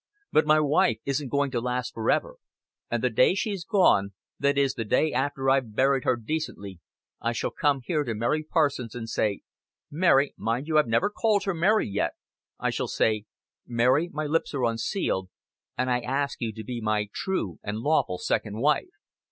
But my wife isn't going to last forever, and the day she's gone that is, the day after I've buried her decently I shall come here to Mary Parsons and say 'Mary' mind you, I've never called her Mary yet I shall say, 'Mary, my lips are unsealed, and I ask you to be my true and lawful second wife.'"